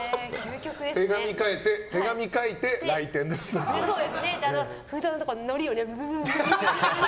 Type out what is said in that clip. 手紙書いて来店ですね。